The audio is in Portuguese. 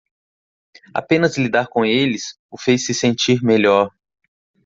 Apenas lidar com eles o fez se sentir melhor.